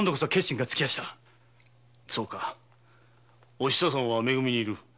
お久さんは「め組」にいる。